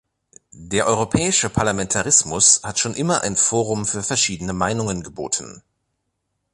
Der europäische Parlamentarismus hat schon immer ein Forum für verschiedene Meinungen geboten.